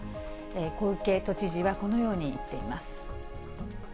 小池都知事はこのように言っています。